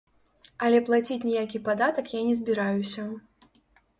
Але плаціць ніякі падатак я не збіраюся.